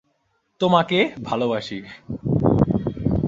তোমাকে ভালোবাসি।